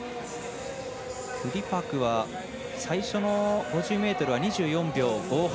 クリパクは最初の５０ｍは２４秒５８。